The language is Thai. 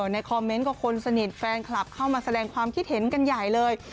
ในคอมเมนต์ก็คนสนิทแฟนคลับเข้ามาแสดงความคิดเห็นกันใหญ่เลย